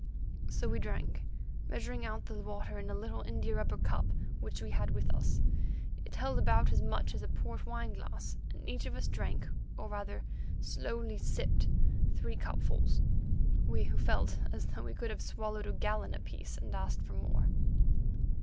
So we drank, measuring out the water in a little india rubber cup which we had with us. It held about as much as a port wine glass, and each of us drank, or rather slowly sipped, three cupfuls; we who felt as though we could have swallowed a gallon apiece, and asked for more.